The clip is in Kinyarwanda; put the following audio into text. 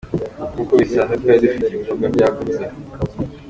Nkuko bisanzwe twari dufite ibikorwa byagutse.